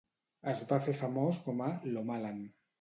Es va fer famós com a "Lomaland".